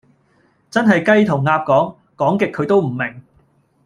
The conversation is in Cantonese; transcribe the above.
真係雞同鴨講，講極佢都唔明